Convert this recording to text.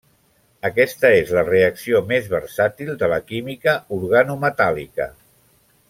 Aquesta és la reacció més versàtil de la química organometàl·lica.